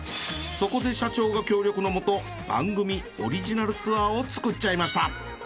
そこで社長が協力のもと番組オリジナルツアーを作っちゃいました。